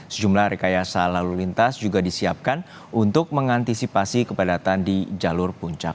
sejumlah rekayasa lalu lintas juga disiapkan untuk mengantisipasi kepadatan di jalur puncak